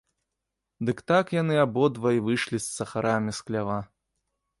Дык так яны абодва й выйшлі з сахарамі з хлява.